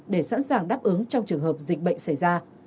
để sẵn sàng đáp ứng trong trường hợp dịch bệnh xảy ra